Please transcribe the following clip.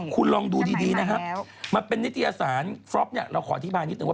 คุณลองดูดีนะครับมันเป็นนิตยสารฟรอปเนี่ยเราขออธิบายนิดนึงว่า